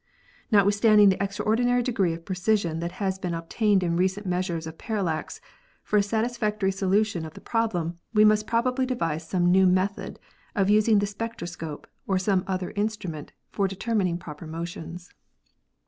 Notwithstanding the extraordinary degree of precision that has been obtained in recent measures of parallax, for a satisfactory solu tion of the problem we must probably devise some new method of using the spectroscope or some other instrument for determining proper motions.